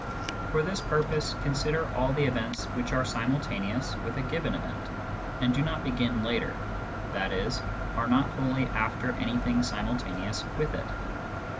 For this purpose, consider all the events which are simultaneous with a given event, and do not begin later, i.e. are not wholly after anything simultaneous with it.